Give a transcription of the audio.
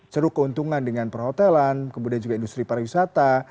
ceruk keuntungan dengan perhotelan kemudian juga industri pariwisata